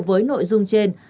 mới nội dung trên